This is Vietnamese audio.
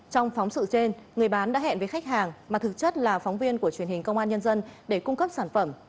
trong phóng sự trên người bán đã hẹn với khách hàng mà thực chất là phóng viên của truyền hình công an nhân dân để cung cấp sản phẩm